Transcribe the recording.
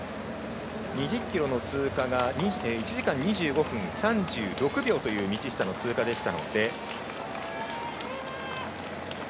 ２０ｋｍの通過が１時間２５分３６秒という道下の通過でした。